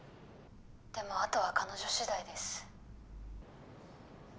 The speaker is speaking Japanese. でも後は彼女次第です。